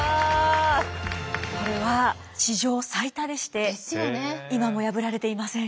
これは史上最多でして今も破られていません。